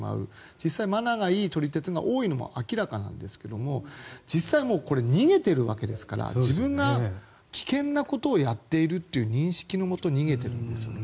実際、マナーがいい撮り鉄が多いのも事実なんですが実際、逃げているわけですから自分が危険なことをやっているという認識のもと逃げているんですよね。